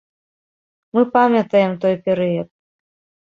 Мы памятаем той перыяд.